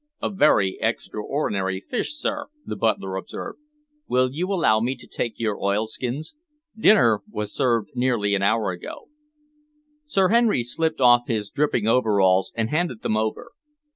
"A very extraordinary fish, sir," the butler observed. "Will you allow me to take your oilskins? Dinner was served nearly an hour ago." Sir Henry slipped off his dripping overalls and handed them over.